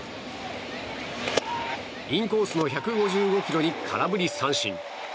インコースの１５５キロに空振り三振。